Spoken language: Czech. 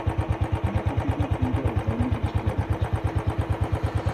Nepochybně půjde o velmi úsporný rozpočet.